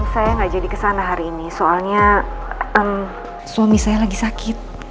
saya nggak jadi kesana hari ini soalnya suami saya lagi sakit